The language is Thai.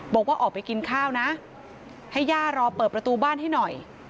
บอกว่าออกไปกินข้าวนะให้ย่ารอเปิดประตูบ้านให้หน่อย